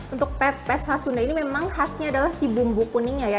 untuk pepes khas sunda ini memang khasnya adalah si bumbu kuningnya ya